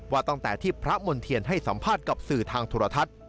ว่าตั้งแต่ที่พระมณ์เทียนให้สัมภาษณ์กับสื่อทางโทรทัศน์